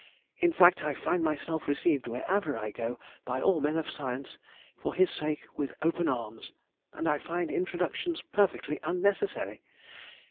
In fact, I find myself received wherever I go by all men of science, for his sake, with open arms, and I find introductions perfectly unnecessary.